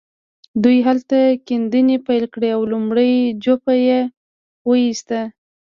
دوی هلته کيندنې پيل کړې او لومړۍ جوپه يې وويسته.